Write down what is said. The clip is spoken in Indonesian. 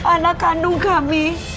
anak kandung kami